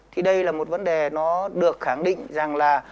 thì đây là một vấn đề nó được khẳng định rằng là